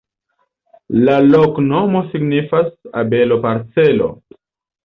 La loknomo signifas: abelo-parcelo.